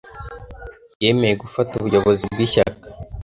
Yemeye gufata ubuyobozi bw'ishyaka.